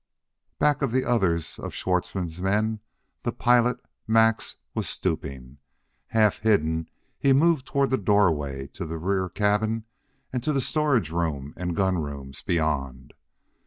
Back of the others of Schwartzmann's men, the pilot, Max, was stooping. Half hidden he moved toward the doorway to the rear cabin and to the storage room and gun rooms beyond.